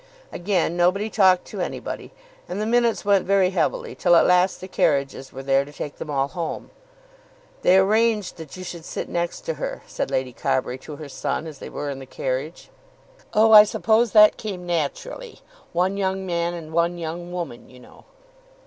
Again nobody talked to anybody, and the minutes went very heavily till at last the carriages were there to take them all home. "They arranged that you should sit next to her," said Lady Carbury to her son, as they were in the carriage. "Oh, I suppose that came naturally; one young man and one young woman, you know."